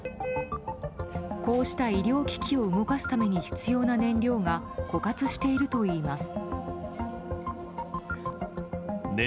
こうした医療機器を動かすために必要な燃料が枯渇しているといいます。